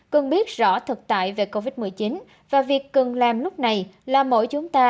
cần biết rõ thực tại về covid một mươi chín và việc cần làm lúc này là mỗi chúng ta